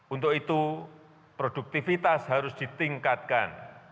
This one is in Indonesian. untuk itu produktivitas harus ditingkatkan